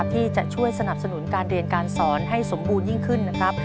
ที่จะช่วยสนับสนุนการเรียนการสอนให้สมบูรณ์ยิ่งขึ้นนะครับ